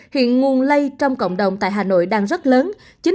hiện nguồn lây trong cộng đồng tại hà nội đang rất lớn